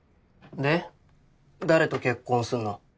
で誰と結婚すんの？